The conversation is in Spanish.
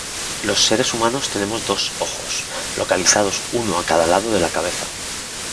Los seres humanos tenemos dos ojos, localizados uno a cada lado de la cabeza.